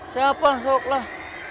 siapa sok lah